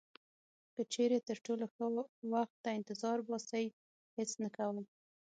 که چیرې تر ټولو ښه وخت ته انتظار باسئ هیڅ نه کوئ.